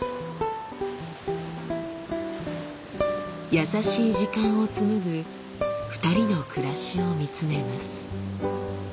優しい時間を紡ぐ２人の暮らしを見つめます。